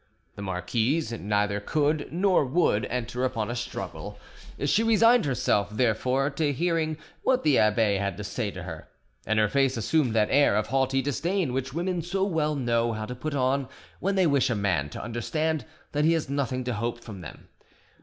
The marquise neither could nor would enter upon a struggle; she resigned herself, therefore, to hearing what the abbe had to say to her, and her face assumed that air of haughty disdain which women so well know how to put on when they wish a man to understand that he has nothing to hope from them.